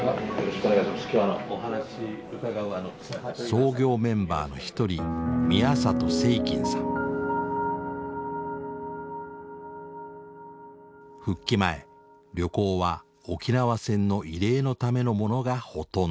創業メンバーの一人復帰前旅行は沖縄戦の慰霊のためのものがほとんど。